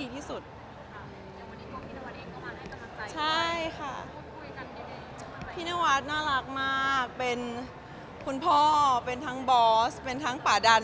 พี่นวัดน่ารักมากเป็นคุณพ่อเป็นทั้งบอสเป็นทั้งป่าดัน